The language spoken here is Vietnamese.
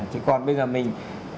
thì còn bây giờ mình